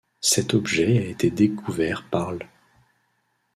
Cet objet a été découvert par l'.